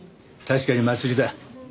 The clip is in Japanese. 確かに祭りだ。